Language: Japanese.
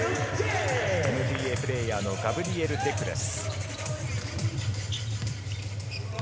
ＮＢＡプレーヤーのガブリエル・デックです。